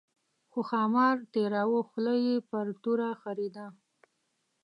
خو ښامار تېراوه خوله یې پر توره خرېده.